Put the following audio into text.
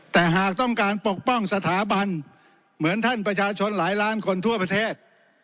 แต่หากต้องการปกป้องสถาบันเหมือนท่านประชาชนหลายล้านคนทั่วประเทศ